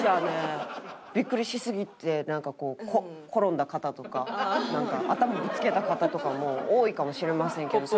ビックリしすぎて転んだ方とか頭ぶつけた方とかも多いかもしれませんけど。